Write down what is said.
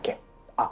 あっ！